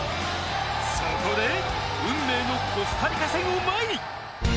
そこで運命のコスタリカ戦を前に。